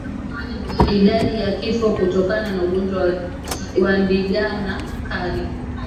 Idadi ya vifo kutokana na ugonjwa wa ndigana kali